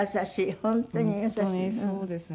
本当にそうですね。